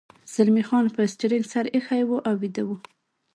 زلمی خان پر سټرینګ سر اېښی و او ویده و.